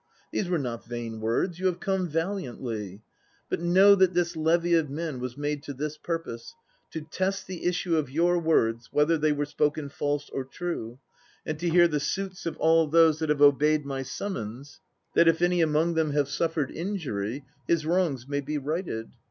These were not vain words; you have come valiantly. But know that thi> levy of men was made to this purpose: to test the issue of your words whether they were spoken false or true; and to hear the suits of all those that have obeyed my summons, that if any among them have suffered injury, his wrongs may be righted.